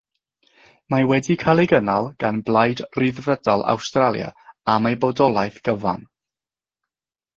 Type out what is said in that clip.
Mae wedi cael ei gynnal gan Blaid Ryddfrydol Awstralia am ei bodolaeth gyfan.